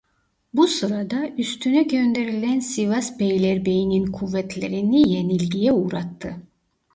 Bu sırada üstüne gönderilen Sivas beylerbeyinin kuvvetlerini yenilgiye uğrattı.